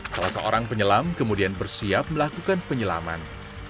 salah seorang penyelam kemudian bersiap melakukan penyelaman